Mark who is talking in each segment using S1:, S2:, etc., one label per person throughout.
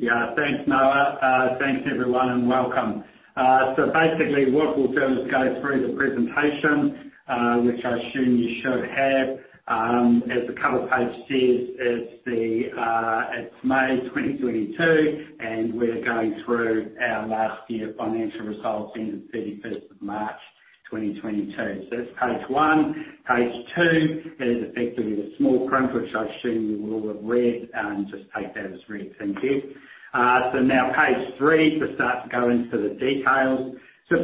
S1: Thanks everyone, and welcome. We will go through the presentation, which you should have. As the cover page states, it is May 2022, and we are reviewing our financial results for the year ended March 31, 2022. That's page 1. Page 2 is effectively the small print, which I assume you will all have read, and just take that as read. Thank you. Now page 3, to start to go into the details. This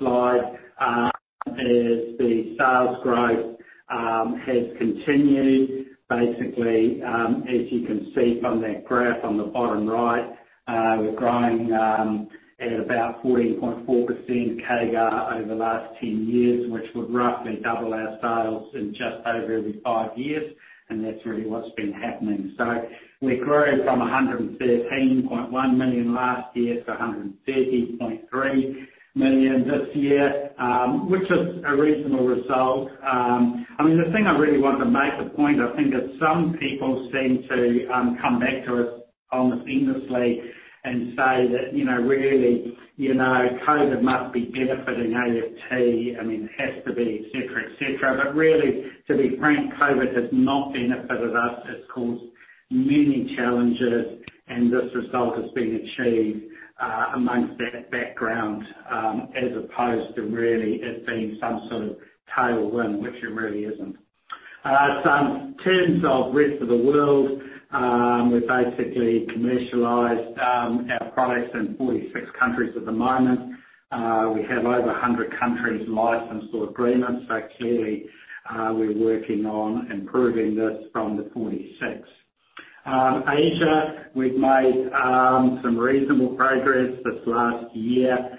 S1: slide shows continued sales growth.
S2: Basically, as you can see from that graph on the bottom right, we're growing at about 14.4% CAGR over the last 10 years, which would roughly double our sales every five yearsand that's really what's been happening. We grew from 113.1 million last year to 130.3 million this year, which is a reasonable result. I mean, the thing I really wanted to make a point, I think that some people seem to come back to us almost endlessly and say that, really, COVID must be benefiting AFT, I mean, it has to be, et cetera, et cetera. Really, to be frank, COVID has not benefited us. It's caused many challenges, and this result has been achieved against that background, as opposed to really it being some sort of tailwind, which it really isn't. In terms of the rest of the worldWe've basically commercialized our products in 46 countries at the moment. we have licensing or distribution agreements in over 100 countries, so clearly we're working on improving this from the 46. Asia, we've made some reasonable progress this last year.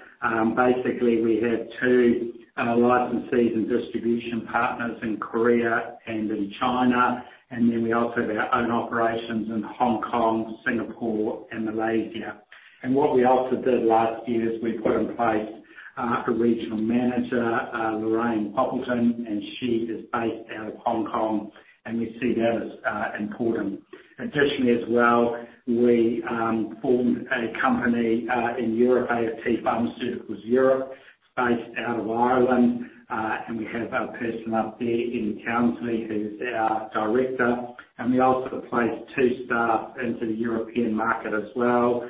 S2: Basically we have two licensees and distribution partners in Korea and in China, and then we also have our own operations in Hong Kong, Singapore and Malaysia. What we also did last year is we put in place a regional manager, Lorraine Corr-Poppleton, and she is based out of Hong Kong, and we see that as important. Additionally as well, we formed a company in Europe, AFT Pharmaceuticals Europe, based out of Ireland, and we have our person up there, Ian Towse, who's our director. We also placed two staff into the European market as well,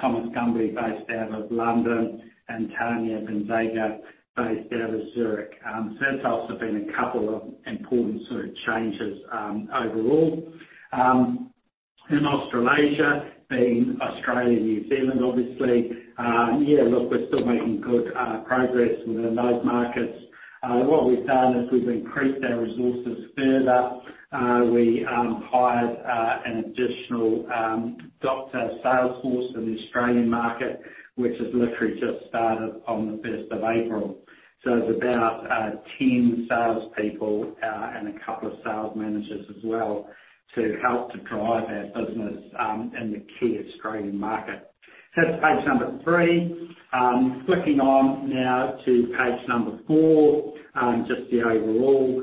S2: Thomas Gumbt, based out of London, and Tania Gonzaga, based out of Zurich. That's also been a couple of important sort of changes overall. In Australasia, being Australia, New Zealand, obviously. We continue to make good progress within those markets. What we've done is we've increased our resources further. We hired an additional direct sales force in the Australian market, which has literally just started on the first of April. There's about 10 salespeople and a couple of sales managers as well to help to drive our business in the key Australian market. That concludes page 3. Turning to page 4. Just the overall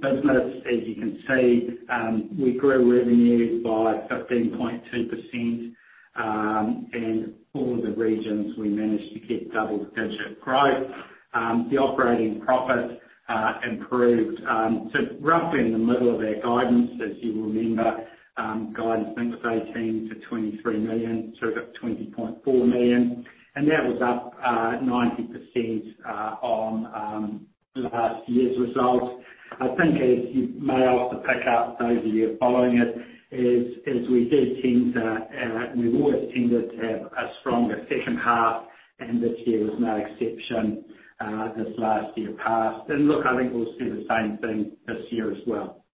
S2: business. As you can see, we grew revenues by 15.2%, and all of the regions we managed to get double-digit growth. The operating profit improved, roughly in the middle of our guidance. As you remember, guidance then was 18 million to 23 million, so we're at 20.4 million. That was up 90% year over year. I think, as you may also pick up, those of you following it, we've always tended to have a stronger second half, and this year was no exception, this last year passed. Look, I think we'll see the same thing this year as well.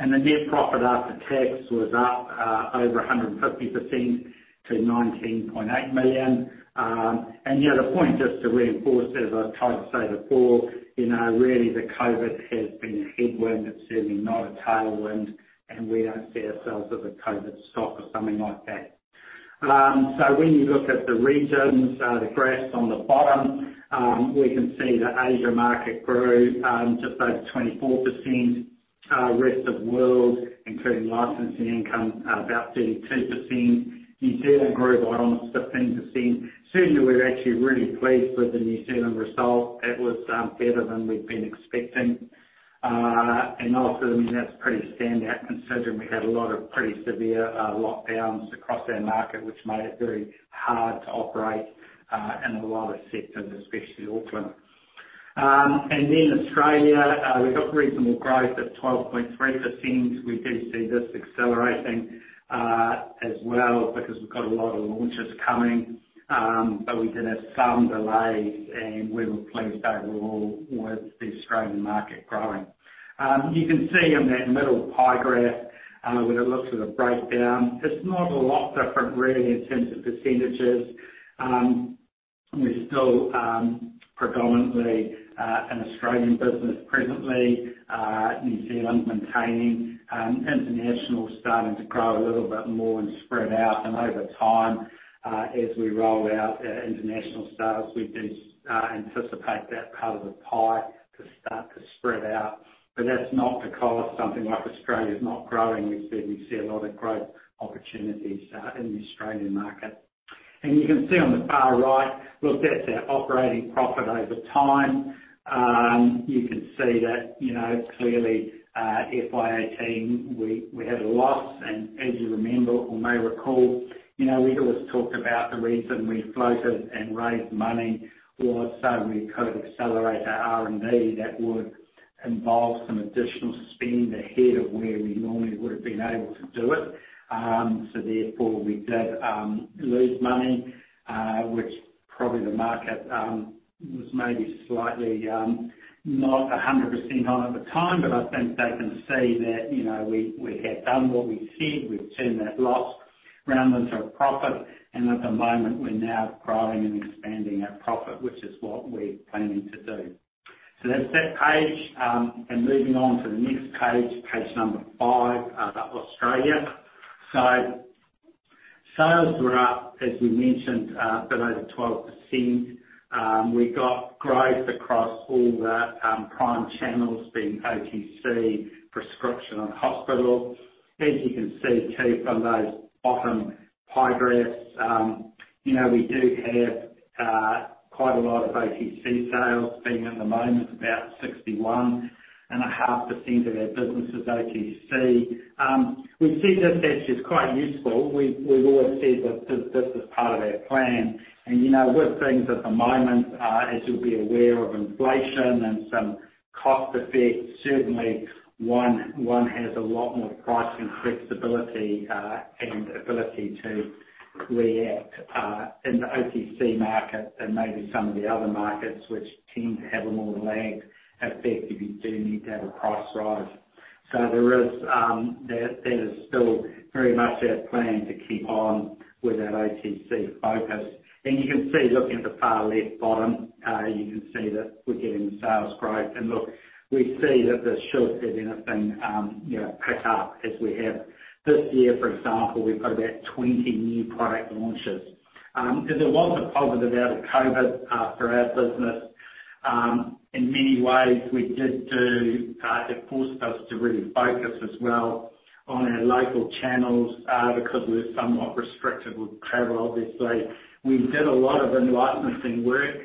S2: The net profit after tax was up over 150% to 19.8 million. The point just to reinforce, as I tried to say before, COVID has been a headwind. It's certainly not a tailwind, and we do not consider ourselves a COVID-driven stock. When you look at the regions, the graphs on the bottom, we can see the Asia market grew just over 24%. Rest of world, including licensing income, about 32%. New Zealand grew by almost 15%. Certainly, we're actually really pleased with the New Zealand result. It was better than we've been expecting. And also, I mean, that's particularly strong considering we had significant lockdowns across our market, which made it very hard to operate in a lot of sectors, especially Auckland. And then Australia, we've got reasonable growth at 12.3%. We do see this accelerating as well. We've got a lot of launches coming, but we did have some delays, and we were pleased overall with the Australian market growing. You can see in that middle pie graph when it looks at a breakdown, it's not a lot different really in terms of percentages. We're still predominantly an Australian business presently. New Zealand maintaining. International starting to grow a little bit more and spread out, and over time, as we roll out our international status, we do anticipate that part of the pie to start to spread out. But that's not because something like Australia's not growing. We said we see a lot of growth opportunities in the Australian market. You can see on the far right, look, that's our operating profit over time. You can see that, clearly, FY18, we had a loss. As you remember or may recall, we'd always talk about the reason we floated and raised money was so we could accelerate our R&D. That would involve some additional spend ahead of where we normally would have been able to do it. Therefore, we did lose money, which probably the market was maybe slightly not 100% on at the time, but I think they can see that, we have done what we said. We've turned that loss around into a profit, and at the moment, we're now growing and expanding our profit, which is what we're planning to do. That's that page. Moving on to the next page 5, about Australia. Sales were up, as we mentioned, a bit over 12%. We got growth across all the prime channels, being OTC, prescription, and hospital. As you can see too from those bottom pie graphs, we do have quite a lot of OTC sales, being at the moment about 61.5% of our business is OTC. We see this actually as quite useful. We've always said that this is part of our plan. You know, with things at the moment, as you'll be aware of inflation and some cost effects, certainly one has a lot more pricing flexibility and ability to react in the OTC market than maybe some of the other markets which tend to have a more lagged effect if you do need to have a price rise. That is still very much our plan to keep on with that OTC focus. You can see, looking at the far left bottom, you can see that we're getting the sales growth. Look, we see that this should, if anything, pick up as we have this year, for example, we've got about 20 new product launches. Because there was a positive out of COVID for our business. In many ways, we did do, it forced us to really focus as well on our local channels, because we were somewhat restricted with travel, obviously. We did a lot of engagement work,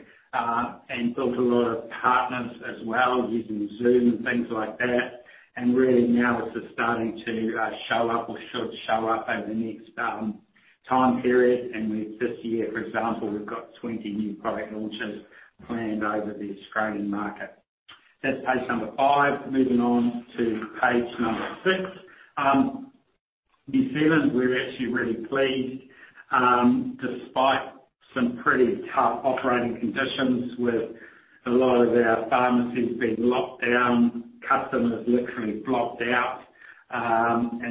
S2: and built a lot of partners as well using Zoom and things like that. Really now it is starting to show up or should show up over the next time period. With this year, for example, we've got 20 new product launches planned over the Australian market. That's page number 5. Moving on to page number 6. New Zealand, we're actually really pleased, despite some pretty tough operating conditions with a lot of our pharmacies being locked down, customers literally blocked out.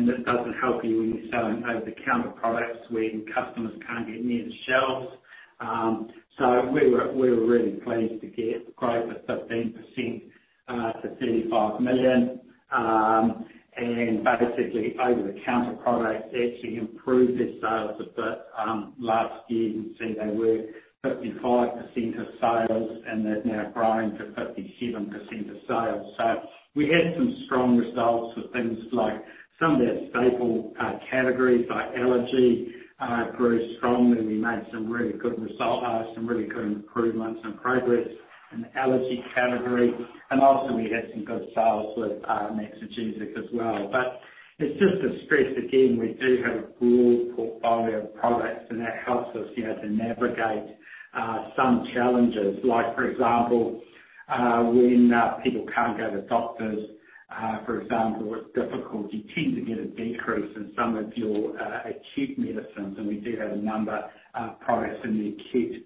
S2: This doesn't help you when you're selling over-the-counter products when customers can't get near the shelves. We were really pleased to get growth of 15% to 35 million. Basically over-the-counter products actually improved their sales a bit. Last year you can see they were 55% of sales, and they've now grown to 57% of sales. We had some strong results with things like some of our staple categories like allergy grew strongly. We made some really good improvements and progress in the allergy category. Also we had some good sales with Maxigesic as well. It's just to stress again, we do have a broad portfolio of products, and that helps us, to navigate some challenges, like for example, when people can't go to doctors, for example. It's difficult. You tend to get a decrease in some of your acute medicines, and we do have a number of products in the acute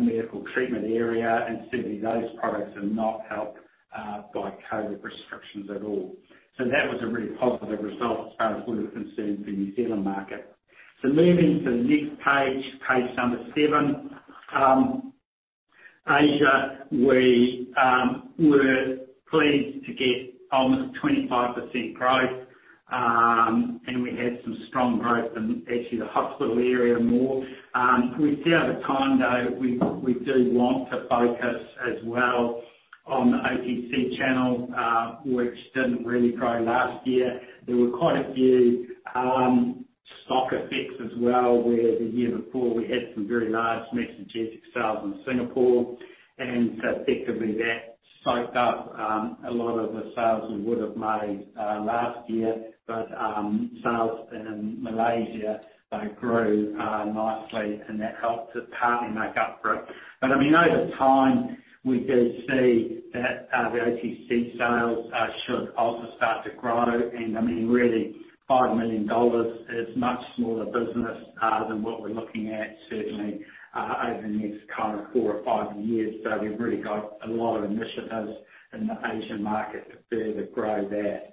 S2: medical treatment area. Certainly, those products are not helped by COVID restrictions at all. That was a really positive result as far as we're concerned for New Zealand market. Moving to the next page number 7. Asia, we were pleased to get almost 25% growth. We had some strong growth in actually the hospital area more. We see over time, though, we do want to focus as well on the OTC channel, which didn't really grow last year. There were quite a few stock effects as well, where the year before we had some very large Maxigesic sales in Singapore. Effectively that soaked up a lot of the sales we would have made last year. Sales in Malaysia, they grew nicely and that helped to partly make up for it. I mean, over time, we do see that the OTC sales should also start to grow. No, I mean, really 5 million dollars is much smaller business than what we're looking at certainly over the next kind of four or five years. We've really got a lot of initiatives in the Asian market to further grow that.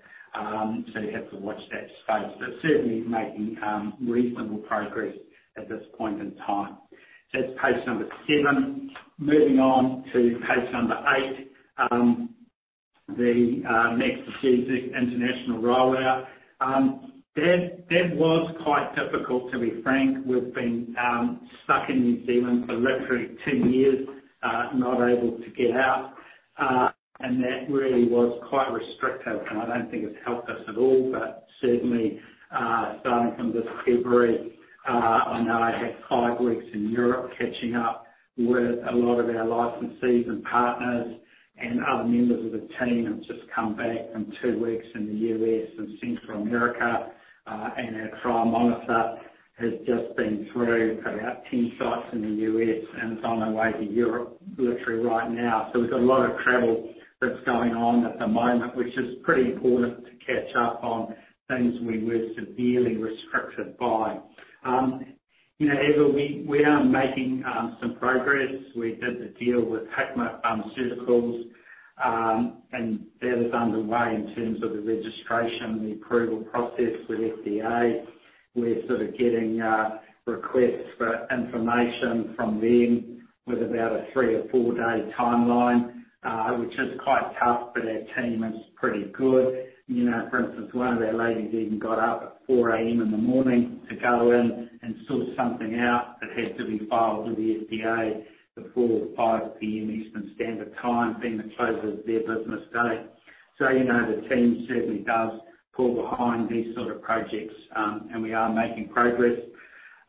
S2: You have to watch that space. Certainly making reasonable progress at this point in time. That's page 7. Moving on to page 8, the Maxigesic International rollout. That was quite difficult, to be frank. We've been stuck in New Zealand for literally 2 years, not able to get out. That really was quite restrictive, and I don't think it's helped us at all. Certainly, starting from this February, I know I had 5 weeks in Europe catching up with a lot of our licensees and partners and other members of the team. I've just come back from 2 weeks in the US and Central America. Our trial monitor has just been through about 10 sites in the US, and is on their way to Europe literally right now. We've got a lot of travel that's going on at the moment, which is pretty important to catch up on things we were severely restricted by. We are making some progress. We did the deal with Hikma Pharmaceuticals, and that is underway in terms of the registration, the approval process with FDA. We're sort of getting requests for information from them with about a three or four day timeline, which is quite tough, but our team is pretty good. For instance, one of their ladies even got up at 4:00 A.M. in the morning to go in and sort something out that had to be filed with the FDA before 5:00 P.M. Eastern Standard Time, being the close of their business day. The team certainly does pull behind these sort of projects, and we are making progress.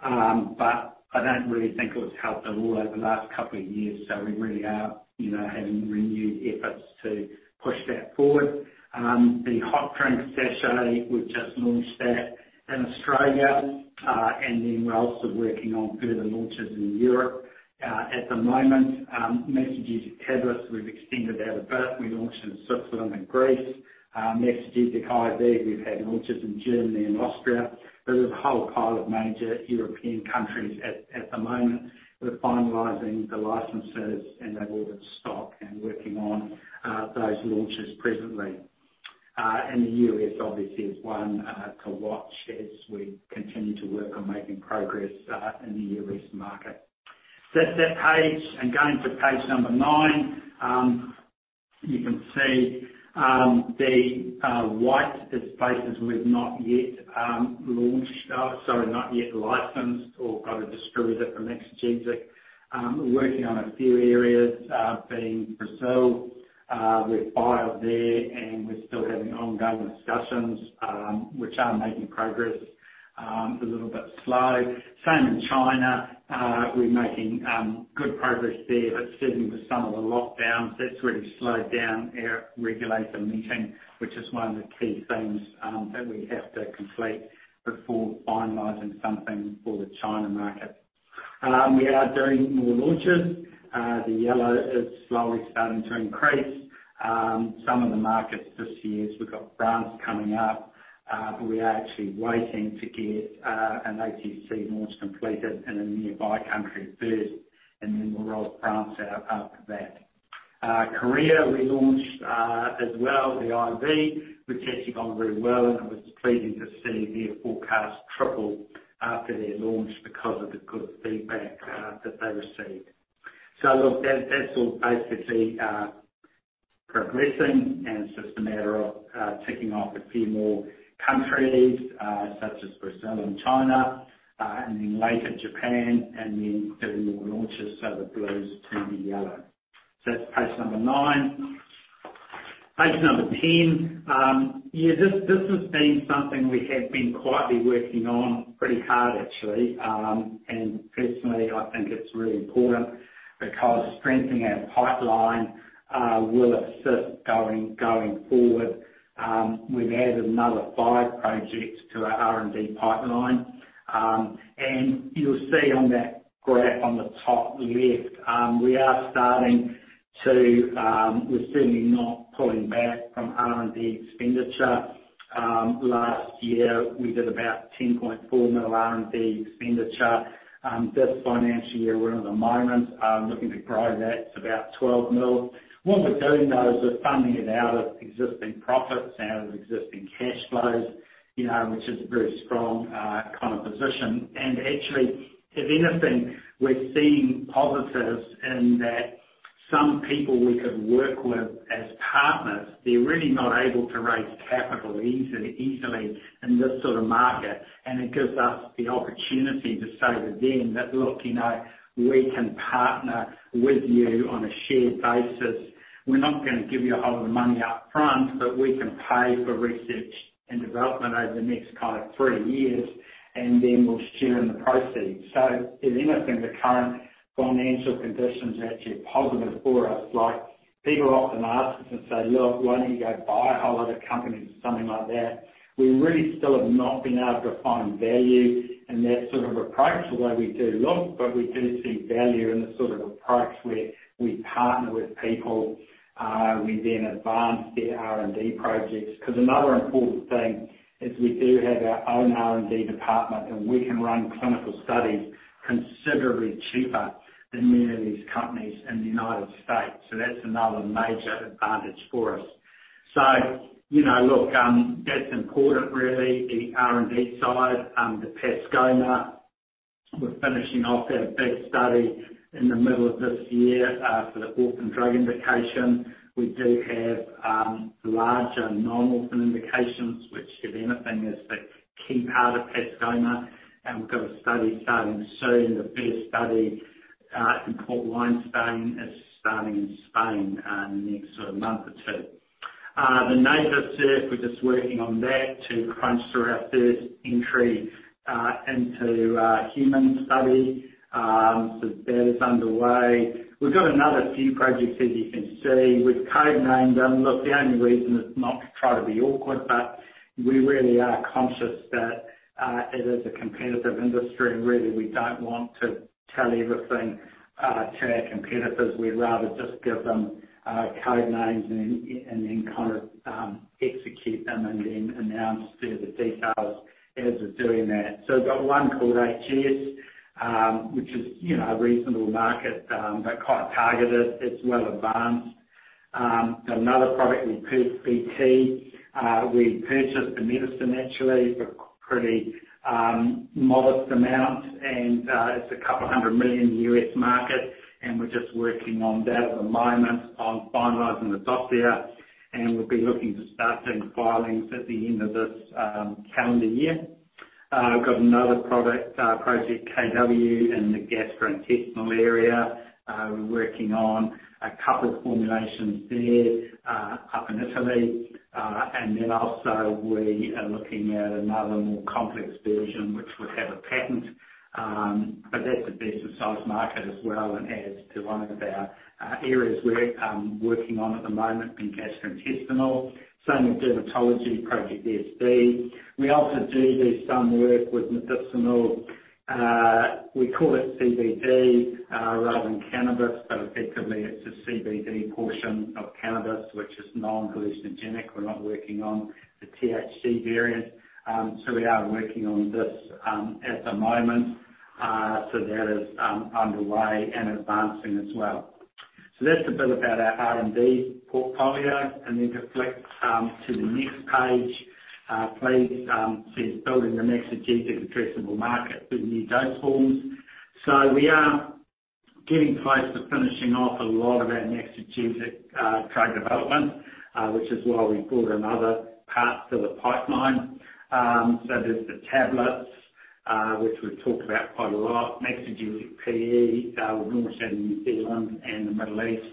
S2: I don't really think it has helped at all over the last couple of years, so we really are, having renewed efforts to push that forward. The hot drink sachet, we've just launched that in Australia, and then we're also working on further launches in Europe. At the moment, Maxigesic tablets, we've extended that a bit. We launched in Switzerland and Greece. Maxigesic IV, we've had launches in Germany and Austria. There's a whole pile of major European countries at the moment. We're finalizing the licenses and they've ordered stock and working on those launches presently. The US obviously is one to watch as we continue to work on making progress in the US market. That's that page. Going to page number nine, you can see the white is places we've not yet licensed or got a distributor for Maxigesic. We're working on a few areas, being Brazil. We've filed there and we're still having ongoing discussions, which are making progress, a little bit slow. Same in China. We're making good progress there, but certainly with some of the lockdowns, that's really slowed down our regulator meeting, which is one of the key things that we have to complete before finalizing something for the China market. We are doing more launches. The yellow is slowly starting to increase. Some of the markets this year, we've got France coming up, but we are actually waiting to get an ACC launch completed in a nearby country first, and then we'll roll France out after that. Korea, we launched as well, the IV, which has actually gone very well, and it was pleasing to see their forecast triple after their launch because of the good feedback that they received. Look, that's all basically progressing, and it's just a matter of ticking off a few more countries, such as Brazil and China, and then later Japan, and then several more launches, so the blues turn to yellow. That's page number 9. Page number 10. Yeah, this has been something we have been quietly working on pretty hard actually. Personally, I think it's really important because strengthening our pipeline will assist going forward. We've added another five projects to our R&D pipeline. You'll see on that graph on the top left, we're certainly not pulling back from R&D expenditure. Last year, we did about 10.4 million R&D expenditure. This financial year, we're at the moment looking to grow that to about 12 million. What we're doing, though, is we're funding it out of existing profits and existing cash flows, which is a very strong kind of position. Actually, if anything, we're seeing positives in that some people we could work with as partners, they're really not able to raise capital easily in this sort of market. It gives us the opportunity to say to them that, "Look, you know, we can partner with you on a shared basis. We're not gonna give you a whole lot of money up front, but we can pay for research and development over the next kind of three years, and then we'll share in the proceeds." If anything, the current financial conditions are actually positive for us. Like, people often ask us and say, "Look, why don't you go buy a whole other company?" Something like that. We really still have not been able to find value in that sort of approach, although we do look, but we do see value in the sort of approach where we partner with people, we then advance their R&D projects. Because another important thing is we do have our own R&D department, and we can run clinical studies considerably cheaper than many of these companies in the United States. That's another major advantage for us. You know, look, that's important really, the R&D side, the Pascomer. We're finishing off that big study in the middle of this year, for the orphan drug indication. We do have larger non-orphan indications, which if anything, is the key part of Pascomer. We've got a study starting soon, the phase study, in Port Wine Stain. It's starting in Spain, in the next sort of month or two. NasoSURF, we're just working on that to crunch through our first entry into human study. That is underway. We've got another few projects, as you can see. We've code named them. Look, the only reason is not to try to be awkward, but we really are conscious that it is a competitive industry, and really, we don't want to tell everything to our competitors. We'd rather just give them code names and then kind of execute them and then announce the details as we're doing that. We've got one called Project HS, which is, you know, a reasonable market, but quite targeted. It's well advanced. Another product is Project BT. We purchased the medicine actually for pretty modest amount, and it's a $200 million U.S. market, and we're just working on that at the moment on finalizing the dossier, and we'll be looking to start doing filings at the end of this calendar year. We've got another product, Project KW in the gastrointestinal area. We're working on a couple of formulations there up in Italy. Then also we are looking at another more complex version, which would have a patent, but that's a better sized market as well and adds to one of our areas we're working on at the moment in gastrointestinal. Same with dermatology, Project SD. We also do some work with medicinal, we call it CBD, rather than cannabis, but effectively it's a CBD portion of cannabis, which is non-hallucinogenic. We're not working on the THC variant. We are working on this at the moment, so that is underway and advancing as well. That's a bit about our R&D portfolio. Then to flip to the next page, please, says building the Maxigesic addressable market through new dose forms. We are getting close to finishing off a lot of our Maxigesic drug development, which is why we brought another part to the pipeline. There's the tablets, which we've talked about quite a lot. Maxigesic PE, we've launched that in New Zealand and the Middle East.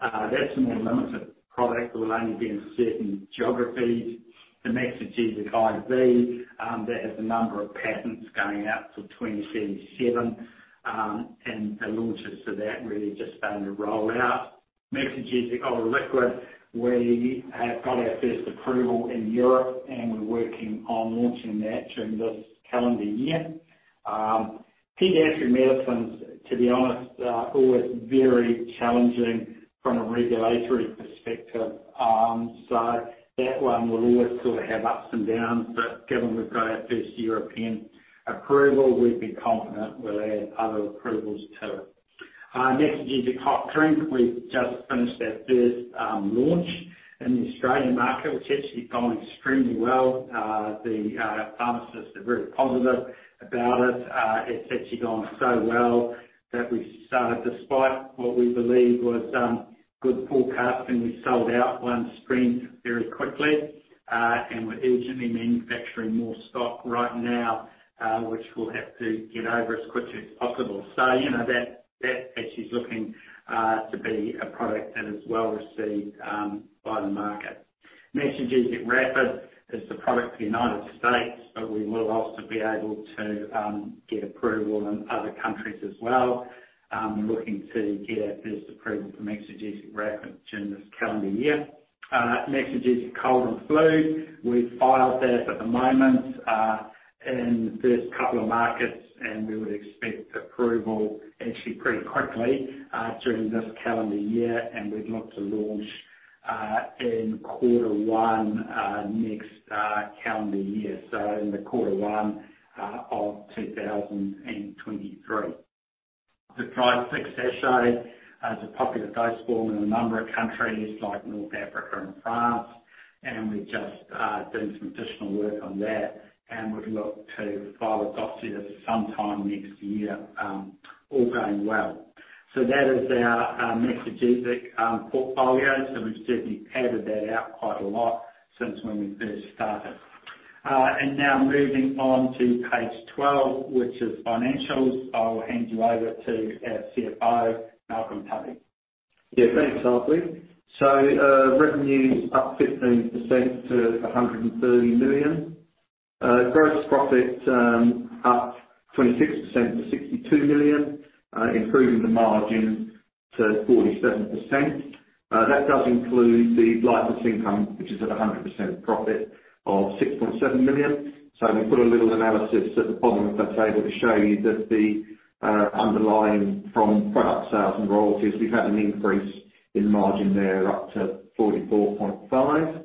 S2: That's a more limited product. It will only be in certain geographies. The Maxigesic IV, that has a number of patents going out till 2077, and the launches for that really just starting to roll out. Maxigesic Liquid, we have got our first approval in Europe, and we're working on launching that during this calendar year. Pediatric medicines, to be honest, are always very challenging from a regulatory perspective, so that one will always sort of have ups and downs. Given we've got our first European approval, we'd be confident we'll add other approvals to it. Maxigesic hot drink, we've just finished our first launch in the Australian market, which actually gone extremely well. The pharmacists are very positive about it. It's actually gone so well that we've sold out despite what we believed was good forecast, and we sold out in one spurt very quickly. We're urgently manufacturing more stock right now, which we'll have to get over as quickly as possible. You know, that actually is looking to be a product that is well received by the market. Maxigesic Rapid is the product for the United States, but we will also be able to get approval in other countries as well. We're looking to get our first approval for Maxigesic Rapid during this calendar year. Maxigesic Cold & Flu, we've filed that at the moment in the first couple of markets, and we would expect approval actually pretty quickly during this calendar year, and we'd look to launch in quarter one next calendar year, so in the quarter one of 2023. The dry stick sachet is a popular dose form in a number of countries like North Africa and France, and we're just doing some additional work on that, and we'd look to file a dossier sometime next year, all going well. That is our Maxigesic portfolio. We've certainly padded that out quite a lot since when we first started. Now moving on to page 12, which is financials. I'll hand you over to our CFO, Malcolm Tubby.
S3: Yeah, thanks, Hartley. Revenue up 15% to 130 million. Gross profit up 26% to 62 million, improving the margin to 47%. That does include the license income, which is at 100% profit of 6.7 million. We put a little analysis at the bottom of that table to show you that the underlying from product sales and royalties, we've had an increase in margin there up to 44.5%.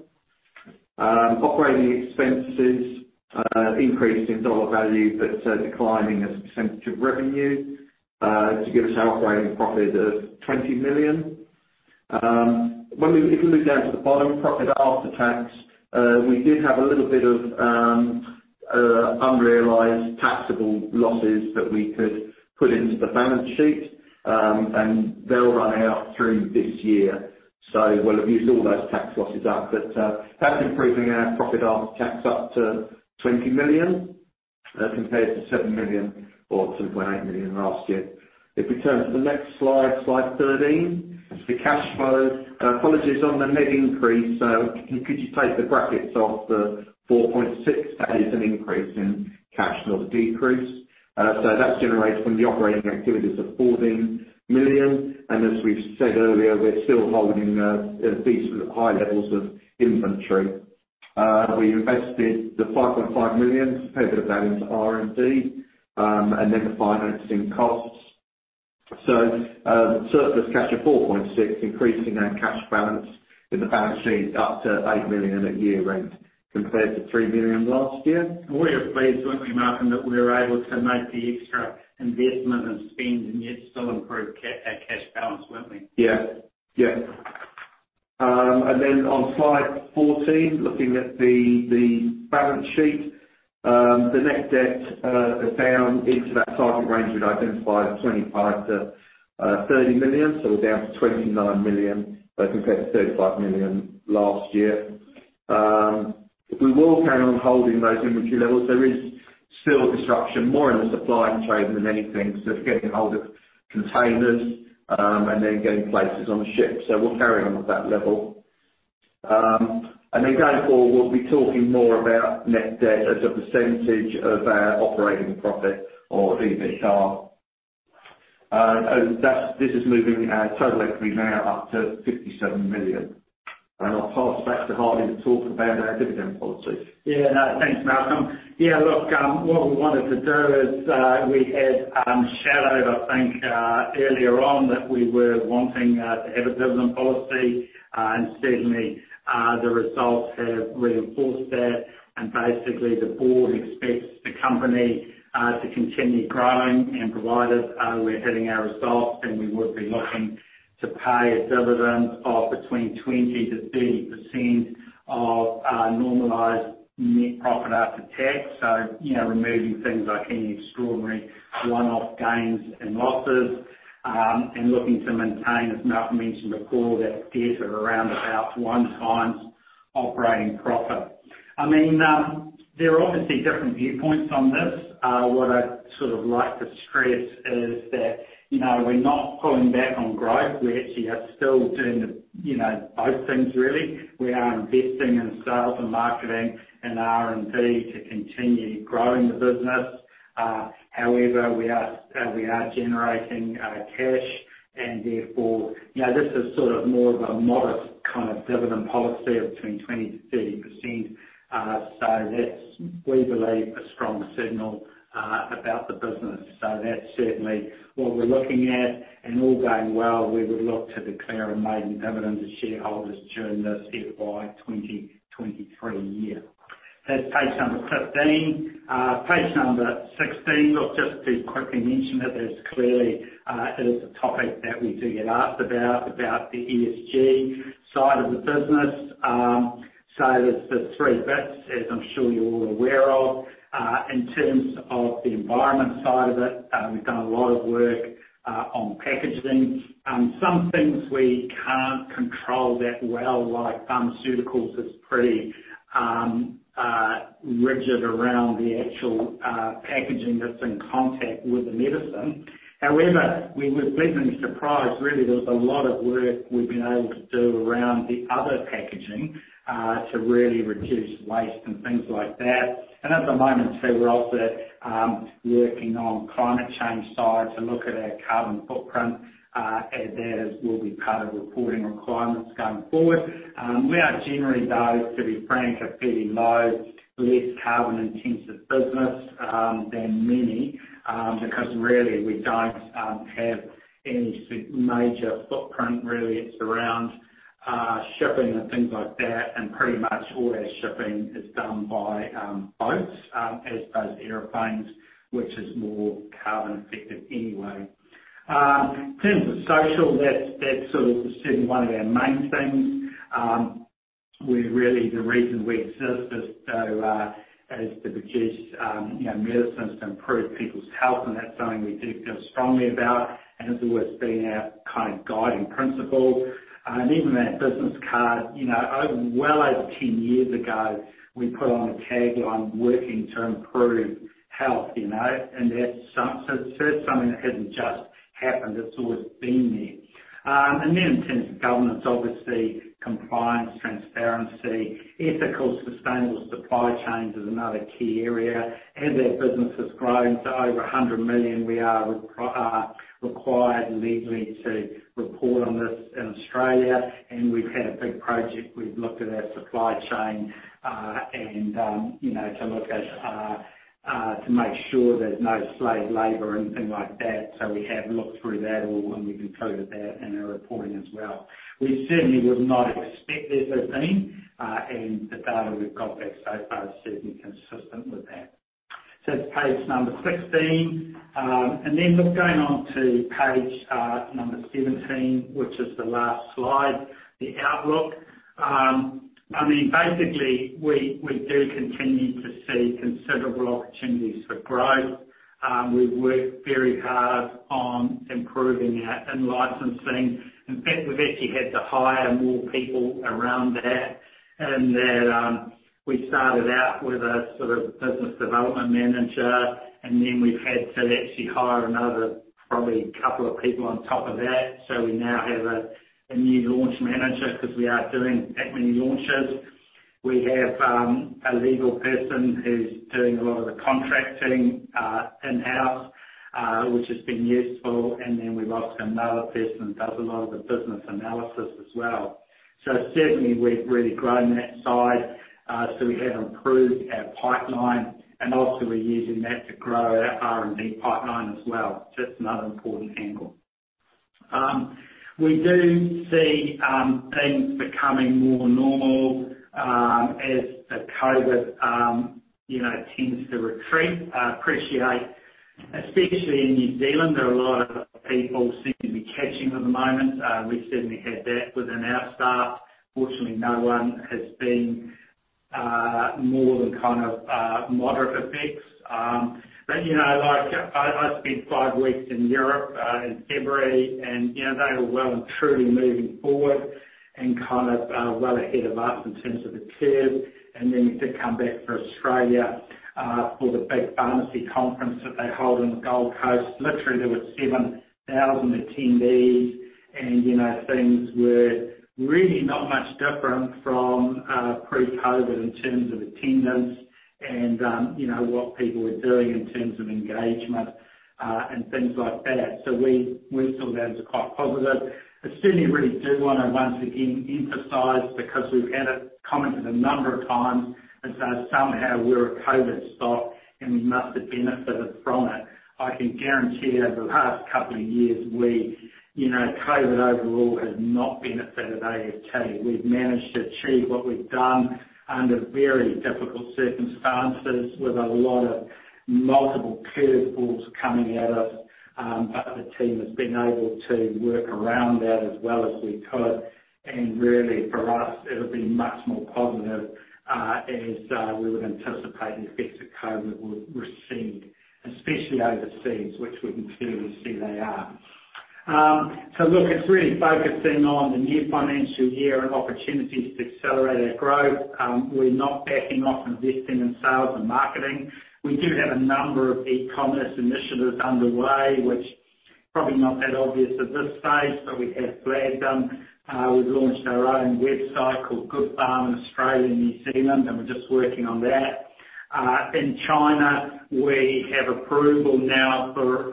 S3: Operating expenses increased in dollar value, but declining as a percentage of revenue, to give us our operating profit of 20 million. If we look down to the bottom, profit after tax, we did have a little bit of unrealized taxable losses that we could put into the balance sheet, and they'll run out through this year. We'll have used all those tax losses up, but that's improving our profit after tax up to 20 million as compared to 7 million or 2.8 million last year. If we turn to the next slide 13. The cash flow position on the net increase, could you take the brackets off the 4.6? That is an increase in cash, not a decrease. That's generated from the operating activities of 14 million. As we've said earlier, we're still holding decently high levels of inventory. We invested the 5.5 million, put a bit of that into R&D, and then the financing costs. Surplus cash of 4.6 million, increasing our cash balance in the balance sheet up to 8 million at year-end compared to 3 million last year.
S2: We are pleased, weren't we, Malcolm, that we were able to make the extra investment and spend and yet still improve our cash balance, weren't we?
S3: On slide 14, looking at the balance sheet, the net debt down into that target range we'd identified of 25 million-30 million. We're down to 29 million as compared to 35 million last year. We will carry on holding those inventory levels. There is still disruption, more in the supply chain than anything, so getting a hold of containers and then getting places on a ship. We'll carry on with that level. Going forward, we'll be talking more about net debt as a percentage of our operating profit or EBITDAR. This is moving our total equity now up to 57 million. I'll pass back to Hartley to talk about our dividend policy.
S2: Yeah. No, thanks, Malcolm. Yeah, look, what we wanted to do is, we had said, I think, earlier on that we were wanting to have a dividend policy, and certainly, the results have reinforced that. Basically, the board expects the company to continue growing and provided we're hitting our results, then we would be looking to pay a dividend of between 20%-30% of our normalized net profit after tax. You know, removing things like any extraordinary one-off gains and losses, and looking to maintain, as Malcolm mentioned before, that debt at around about 1x operating profit. I mean, there are obviously different viewpoints on this. What I'd sort of like to stress is that, you know, we're not pulling back on growth. We actually are still doing the, you know, both things, really. We are investing in sales and marketing and R&D to continue growing the business. However, we are generating cash, and therefore, you know, this is sort of more of a modest kind of dividend policy of between 20%-30%. So that's, we believe, a strong signal about the business. So that's certainly what we're looking at. All going well, we would look to declare a maiden dividend to shareholders during the FY 2023 year. That's page number 15. Page number 16. Look, just to quickly mention it, as clearly, it is a topic that we do get asked about the ESG side of the business. So there's the three bits, as I'm sure you're all aware of. In terms of the environment side of it, we've done a lot of work on packaging. Some things we can't control that well, like pharmaceuticals is pretty rigid around the actual packaging that's in contact with the medicine. However, we were pleasantly surprised, really. There was a lot of work we've been able to do around the other packaging to really reduce waste and things like that. At the moment, too, we're also working on climate change side to look at our carbon footprint as that will be part of reporting requirements going forward. We are generally, though, to be frank, a fairly low, less carbon-intensive business than many because really, we don't have any significant footprint, really. It's around shipping and things like that, and pretty much all our shipping is done by boats, as opposed to airplanes, which is more carbon effective anyway. In terms of social, that's sort of certainly one of our main things. Really, the reason we exist is to produce you know, medicines to improve people's health, and that's something we do feel strongly about. Has always been our kind of guiding principle. Even our business card, you know, over 10 years ago, we put on a tagline, working to improve health, you know, and that's so it's something that hasn't just happened, it's always been there. Then in terms of governance, obviously compliance, transparency, ethical, sustainable supply chains is another key area. As our business has grown to over 100 million, we are required legally to report on this in Australia, and we've had a big project. We've looked at our supply chain, and, you know, to make sure there's no slave labor or anything like that. We have looked through that all, and we've included that in our reporting as well. We certainly would not expect there to have been, and the data we've got back so far is certainly consistent with that. To page number 16. And then look, going on to page number 17, which is the last slide, the outlook. I mean, basically, we do continue to see considerable opportunities for growth. We've worked very hard on improving our in-licensing. In fact, we've actually had to hire more people around that and we started out with a sort of business development manager, and then we've had to actually hire another probably couple of people on top of that. We now have a new launch manager because we are doing that many launches. We have a legal person who's doing a lot of the contracting in-house, which has been useful, and then we've also another person who does a lot of the business analysis as well. Certainly we've really grown that side, so we have improved our pipeline, and also we're using that to grow our R&D pipeline as well. Just another important angle. We do see things becoming more normal as the COVID you know tends to retreat. I appreciate, especially in New Zealand, there seem to be a lot of people catching at the moment. We've certainly had that within our staff. Fortunately, no one has been more than kind of moderate effects. You know, like I spent five weeks in Europe in February and, you know, they were well and truly moving forward and kind of well ahead of us in terms of the curve. Then to come back to Australia for the big pharmacy conference that they hold in the Gold Coast. Literally, there were 7,000 attendees and, you know, things were really not much different from pre-COVID in terms of attendance and, you know, what people were doing in terms of engagement and things like that. We saw that as quite positive. I certainly really do wanna once again emphasize, because we've had it commented a number of times, as though somehow we're a COVID stock, and we must have benefited from it. I can guarantee over the past couple of years, we you know COVID overall has not benefited AFT. We've managed to achieve what we've done under very difficult circumstances with a lot of multiple curve balls coming at us. The team has been able to work around that as well as we could. Really for us, it'll be much more positive, as we would anticipate the effects of COVID will recede, especially overseas, which we can clearly see they are. Look, it's really focusing on the new financial year and opportunities to accelerate our growth. We're not backing off investing in sales and marketing. We do have a number of e-commerce initiatives underway, which probably not that obvious at this stage, but we have flagged them. We've launched our own website called Good Pharma Australia and New Zealand, and we're just working on that. In China, we have approval now for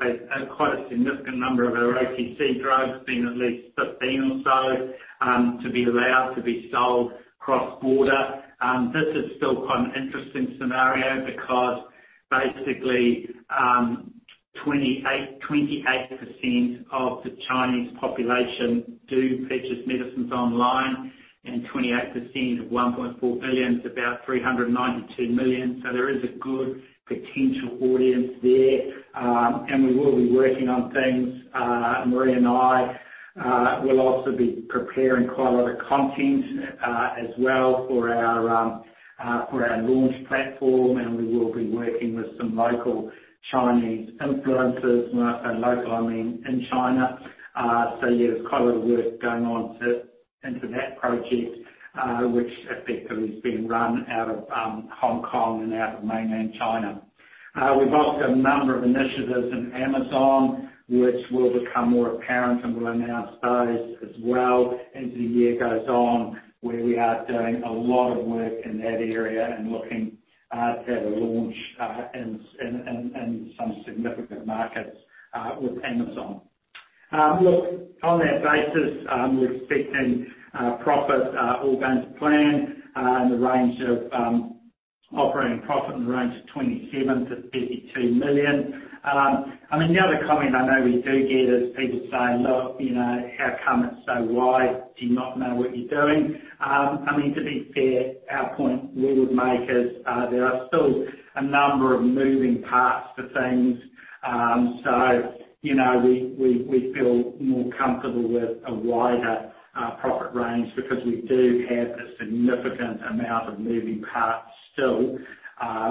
S2: quite a significant number of our OTC drugs, being at least 15 or so, to be allowed to be sold cross-border. This is still quite an interesting scenario because basically, 28% of the Chinese population do purchase medicines online, and 28% of 1.4 billion is about 392 million. There is a good potential audience there, and we will be working on things. Marree and I will also be preparing quite a lot of content as well for our launch platform, and we will be working with some local Chinese influencers. When I say local, I mean in China. Yeah, there's quite a lot of work going on into that project, which effectively is being run out of Hong Kong and out of mainland China. We've also a number of initiatives in Amazon, which will become more apparent, and we'll announce those as well as the year goes on, where we are doing a lot of work in that area and looking to have a launch in some significant markets with Amazon. Look, on that basis, we're expecting profit all going to plan in the range of operating profit in the range of 27 million-32 million. I mean, the other comment I know we do get is people say, "Look, you know, how come it's so wide? Do you not know what you're doing?" I mean, to be fair, our point we would make is there are still a number of moving parts to things. You know, we feel more comfortable with a wider profit range because we do have a significant amount of moving parts still,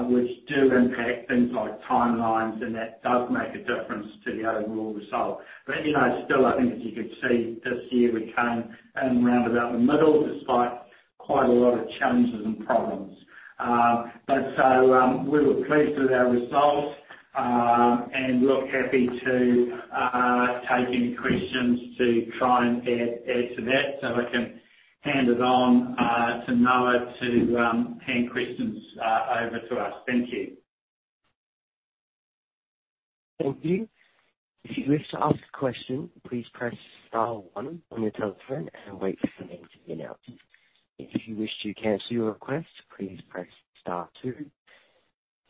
S2: which do impact things like timelines, and that does make a difference to the overall result. You know, still, I think as you could see this year, we came in around about the middle despite quite a lot of challenges and problems. We were pleased with our results, and look happy to take any questions to try and add to that. If I can hand it on to Noah to hand questions over to us. Thank you.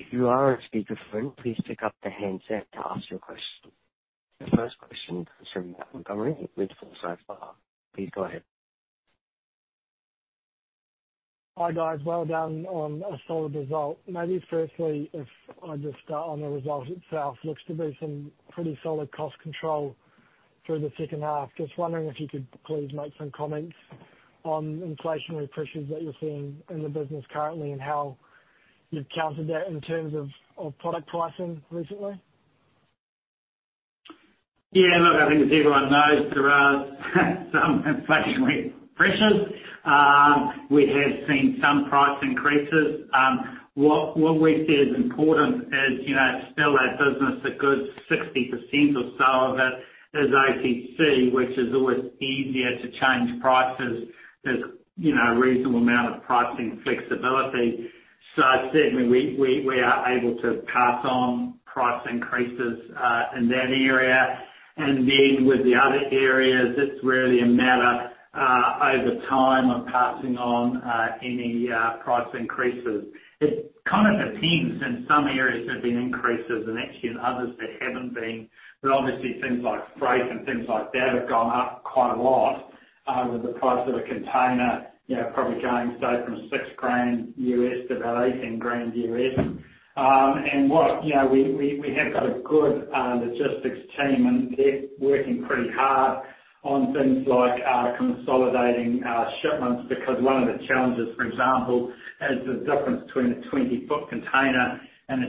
S4: Hi, guys. Well done on a solid result. Maybe firstly, if I just start on the result itself, looks to be some pretty solid cost control through the second half. Just wondering if you could please make some comments on inflationary pressures that you're seeing in the business currently and how you've countered that in terms of product pricing recently.
S2: Yeah, look, I think as everyone knows, there are some inflationary pressures. We have seen some price increases. What we see as important is, you know, still our business, a good 60% or so of it is OTC, which is always easier to change prices. There's, you know, a reasonable amount of pricing flexibility. So certainly we are able to pass on price increases in that area. With the other areas, it's really a matter over time of passing on any price increases. It kind of depends, in some areas there've been increases and actually in others there haven't been. Obviously things like freight and things like that have gone up quite a lot, with the price of a container, you know, probably going, say, from $6,000 to about $18,000. You know, we have got a good logistics team, and they're working pretty hard on things like consolidating shipments. Because one of the challenges, for example, is the difference between a 20-foot container and a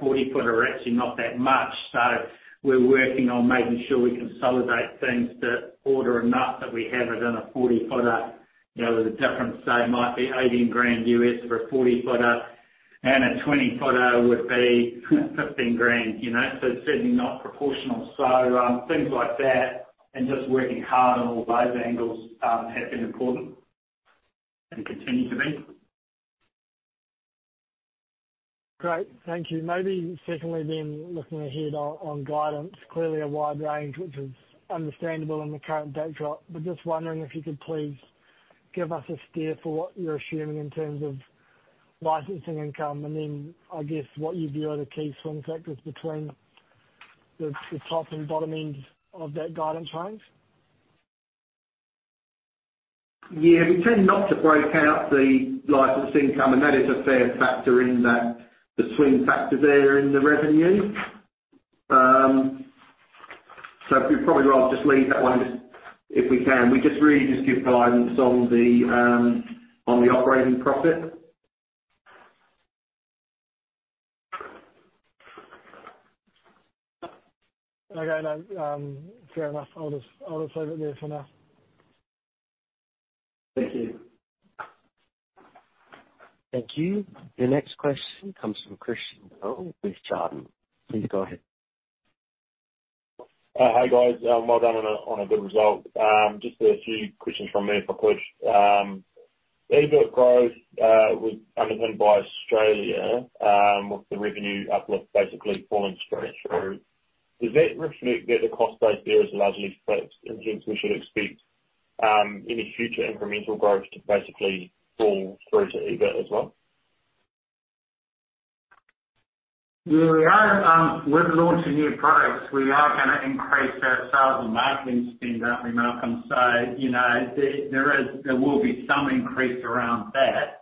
S2: 40-footer are actually not that much. We're working on making sure we consolidate things to order enough that we have it in a 40-footer. You know, the difference, say, might be $18,000 for a 40-footer, and a 20-footer would be $15,000, you know. Certainly not proportional. Things like that and just working hard on all those angles have been important and continue to be.
S4: Great. Thank you. Maybe secondly, looking ahead on guidance, clearly a wide range, which is understandable in the current backdrop. Just wondering if you could please give us a steer for what you're assuming in terms of licensing income and then, I guess, what you view are the key swing factors between the top and bottom ends of that guidance range.
S2: Yeah. We tend not to break out the license income, and that is a fair factor in that, the swing factor there in the revenue. So we'd probably rather just leave that one if we can. We just really give guidance on the operating profit.
S4: Okay then. Fair enough. I'll just leave it there for now.
S2: Thank you.
S5: Hi, guys. Well done on a good result. Just a few questions from me if I could. EBIT growth was underpinned by Australia, with the revenue uplift basically falling straight through. Does that reflect that the cost base there is largely fixed, in which we should expect any future incremental growth to basically fall through to EBIT as well?
S2: Yeah, we are with launching new products, we are gonna increase our sales and marketing spend, aren't we, Malcolm? You know, there will be some increase around that.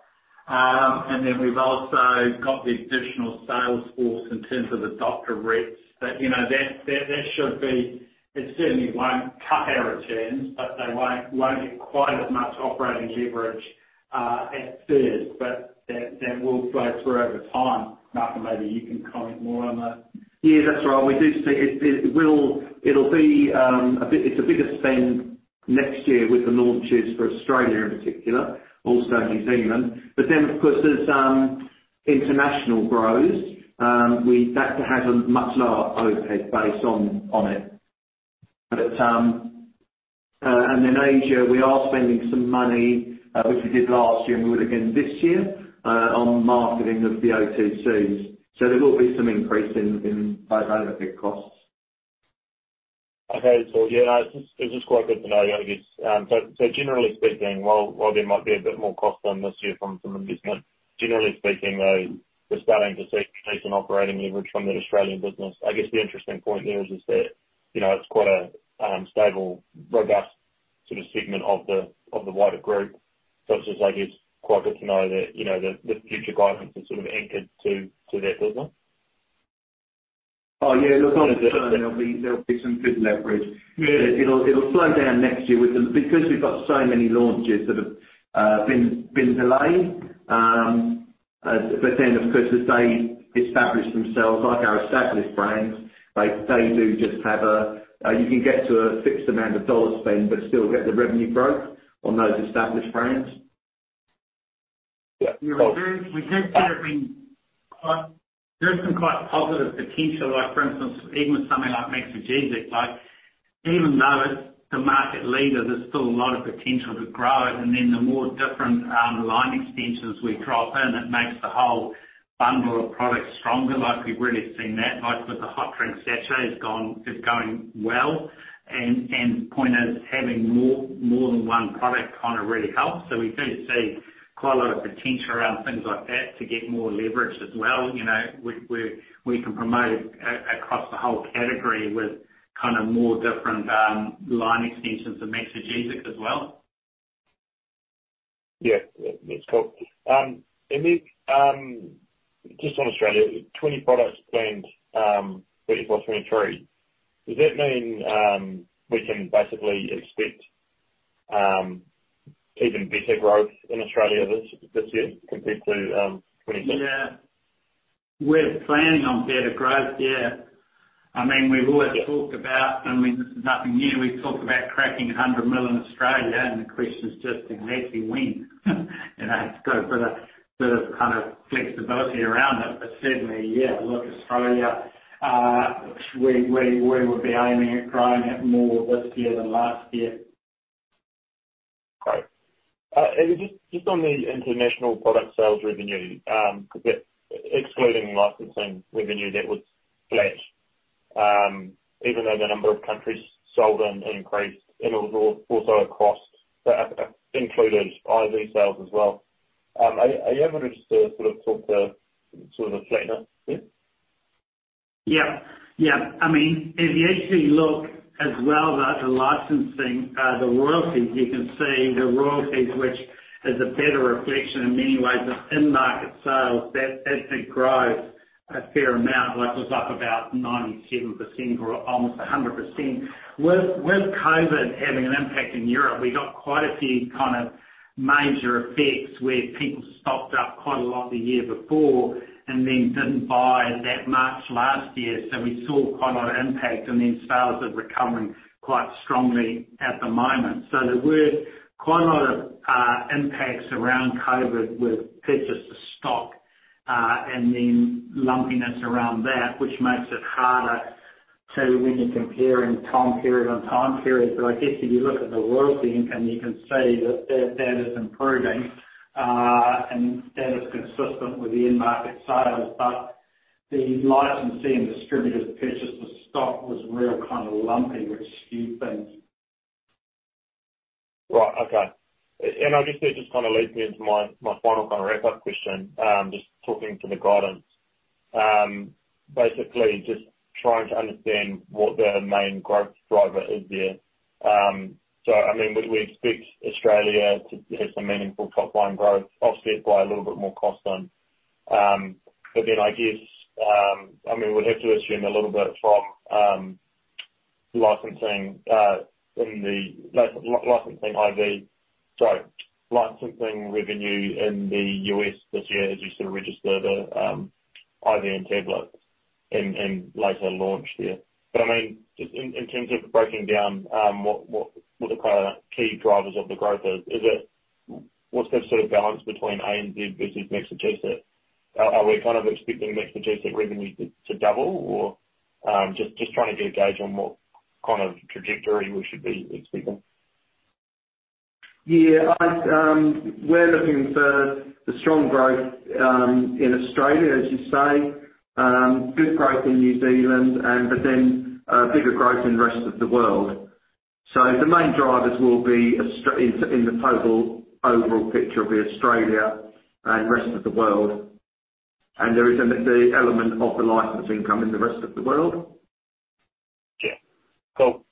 S2: We've also got the additional sales force in terms of the doctor reps that you know that should be. It certainly won't cut our returns, but they won't get quite as much operating leverage at first, but that will play through over time. Malcolm, maybe you can comment more on that.
S3: Yeah, that's right. We do see it. It'll be a bigger spend next year with the launches for Australia in particular, also New Zealand. Of course as international grows, that has a much lower overhead base on it. Asia, we are spending some money, which we did last year, and we will again this year, on marketing of the OTCs. There will be some increase in those overhead costs.
S5: Okay, cool. Yeah, it's just quite good to know, I guess. Generally speaking, while there might be a bit more cost than this year from investment, generally speaking, though, we're starting to see decent operating leverage from that Australian business. I guess the interesting point there is that, you know, it's quite a stable, robust sort of segment of the wider group. It's just, I guess, quite good to know that, you know, the future guidance is sort of anchored to that business.
S2: Oh, yeah. Look, long term there'll be some good leverage.
S5: Yeah.
S2: It'll slow down next year with the, because we've got so many launches that have been delayed.
S3: Of course, as they establish themselves like our established brands, they do just have a, you can get to a fixed amount of dollar spend but still get the revenue growth on those established brands. Yeah.
S2: We do see it being quite. There's some quite positive potential. Like, for instance, even with something like Maxigesic, like, even though it's the market leader, there's still a lot of potential to grow it. And then the more different line extensions we drop in, it makes the whole bundle of products stronger. Like, we've really seen that. Like, with the hot drink sachet has gone, is going well, and the point is having more than one product kinda really helps. We do see quite a lot of potential around things like that to get more leverage as well. You know, we can promote across the whole category with kinda more different line extensions of Maxigesic as well.
S5: Yeah. That's cool. Just on Australia, 20 products planned, 2024, 2023. Does that mean we can basically expect even better growth in Australia this year compared to 2022?
S2: Yeah. We're planning on better growth, yeah. I mean, we've always talked about, I mean, this is nothing new. We've talked about cracking 100 million in Australia, and the question is just exactly when. You know, it's got a bit of kind of flexibility around it. Certainly, yeah, look, Australia, we would be aiming at growing it more this year than last year.
S5: Great. Just on the international product sales revenue, excluding licensing revenue, that was flat, even though the number of countries sold in increased, and it was also across the included IV sales as well. Are you able to just sort of talk to sort of the flatness there?
S2: Yeah. I mean, if you actually look as well that the licensing, the royalties, you can see the royalties, which is a better reflection in many ways of in-market sales, that actually grows a fair amount, like was up about 97% or almost 100%. With COVID having an impact in Europe, we got quite a few kind of major effects where people stocked up quite a lot the year before and then didn't buy that March last year. We saw quite a lot of impact, and then sales are recovering quite strongly at the moment. There were quite a lot of impacts around COVID with purchase to stock, and then lumpiness around that, which makes it harder to when you're comparing time period on time period. I guess if you look at the royalty income, you can see that is improving, and that is consistent with the in-market sales. The licensing distributors' purchase of stock was real kind of lumpy, which skewed things.
S5: Right. Okay. I guess that just kinda leads me into my final kind of wrap up question, just talking to the guidance. Basically just trying to understand what the main growth driver is there. I mean, we expect Australia to have some meaningful top line growth offset by a little bit more costs then. I guess, I mean, we'll have to assume a little bit from licensing revenue in the US this year as you sort of register the IV and tablets and later launch there. I mean, just in terms of breaking down what the kind of key drivers of the growth is. Is it? What's the sort of balance between ANZ versus Maxigesic? Are we kind of expecting Maxigesic revenue to double or just trying to get a gauge on what kind of trajectory we should be expecting?
S2: Yeah. We're looking for the strong growth in Australia, as you say. Good growth in New Zealand, but then bigger growth in the rest of the world. The main drivers will be Australia in the total overall picture and rest of the world. There is the element of the licensing coming in the rest of the world.
S5: Yeah. Cool.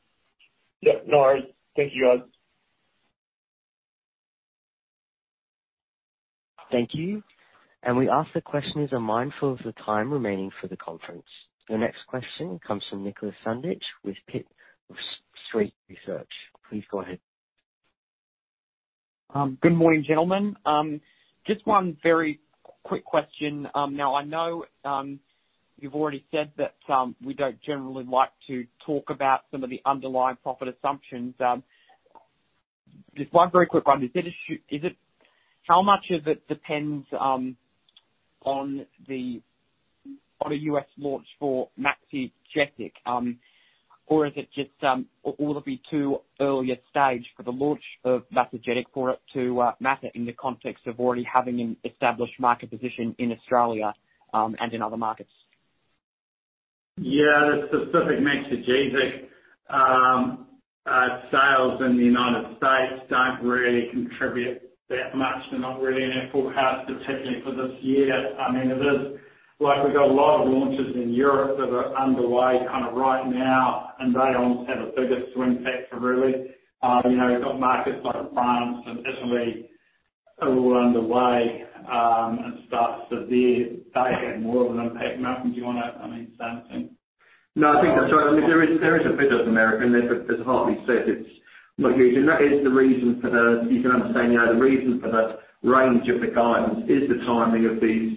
S5: Yeah, no worries. Thank you, guys.
S6: Good morning, gentlemen. Just one very quick question. Now I know you've already said that we don't generally like to talk about some of the underlying profit assumptions. Just one very quick one. How much of it depends on a U.S. launch for Maxigesic? Or is it just will it be too early a stage for the launch of Maxigesic for it to matter in the context of already having an established market position in Australia and in other markets?
S2: Yeah. The specific Maxigesic sales in the United States don't really contribute that much. They're not really in our forecast, particularly for this year. I mean, like, we've got a lot of launches in Europe that are underway kinda right now, and they almost have a bigger impact really. You know, we've got markets like France and Italy that are all underway, and stuff. They have more of an impact there. Malcolm, do you wanna say anything?
S3: No, I think that's right. I mean, there is a bit of American there, but as Hartley said, it's not huge. That is, as you can understand, you know, the reason for the range of the guidance is the timing of these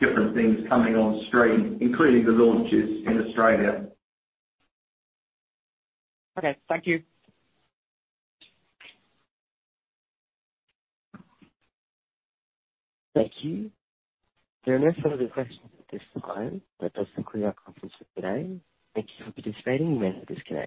S3: different things coming on stream, including the launches in Australia.
S6: Okay. Thank you.